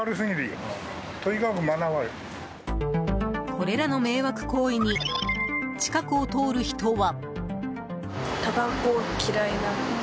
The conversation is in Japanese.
これらの迷惑行為に近くを通る人は。